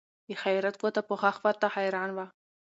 د حیرت ګوته په غاښ ورته حیران وه